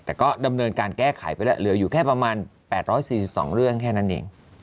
แต่ก็ดำเนินการแก้ไขไปแล้วเหลืออยู่แค่ประมาณ๘๔๒เรื่องแค่นั้นเอง